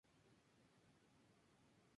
El patrón de la ciudad era el dios Horus.